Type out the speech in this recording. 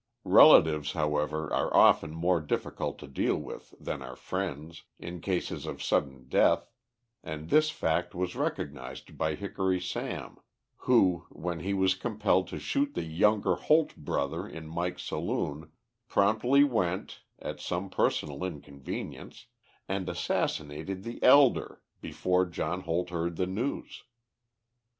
Relatives, however, are often more difficult to deal with than are friends, in cases of sudden death, and this fact was recognised by Hickory Sam, who, when he was compelled to shoot the younger Holt brother in Mike's saloon, promptly went, at some personal inconvenience, and assassinated the elder, before John Holt heard the news.